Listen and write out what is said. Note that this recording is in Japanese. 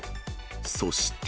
そして。